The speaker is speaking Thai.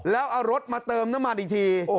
แล้วเอารถมาเติมน้ำมันอีกที